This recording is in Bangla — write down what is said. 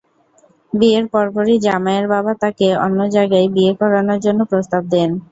বিয়ের পরপরই জামাইয়ের বাবা তাঁকে অন্য জায়গায় বিয়ে করানোর জন্য প্রস্তাব দেন।